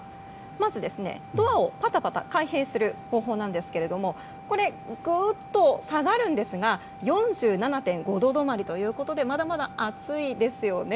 まず、ドアをパタパタ開閉する方法はぐっと下がるんですが４７．５度止まりということでまだまだ暑いですよね。